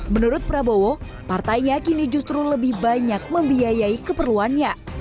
menurut prabowo partainya kini justru lebih banyak membiayai keperluannya